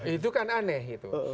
itu kan aneh itu